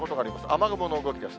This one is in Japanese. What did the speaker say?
雨雲の動きです。